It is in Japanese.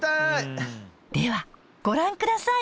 ではご覧ください。